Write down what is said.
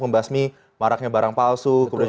membasmi maraknya barang palsu kemudian